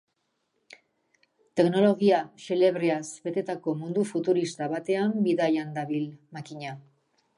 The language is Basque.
Teknologia xelebreaz betetako mundu futurista batean bidaian dabil makina.